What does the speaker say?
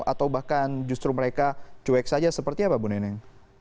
atau bahkan justru mereka cuek saja seperti apa bu neneng